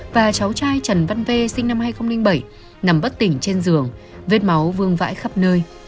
và cháu trai trần văn vê sinh năm hai nghìn bảy nằm bất tỉnh trên giường vết máu vương vãi khắp nơi